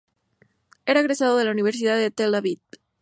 Era egresado de la Universidad de Tel Aviv.